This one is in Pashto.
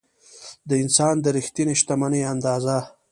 د انسان د رښتینې شتمنۍ اندازه.